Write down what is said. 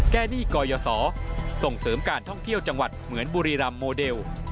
หนี้กยศส่งเสริมการท่องเที่ยวจังหวัดเหมือนบุรีรำโมเดล